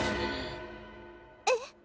えっ？